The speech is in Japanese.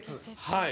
はい。